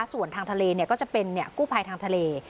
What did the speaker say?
ส่วนทางทะเลก็จะเป็นกู้ภัยทางทะเล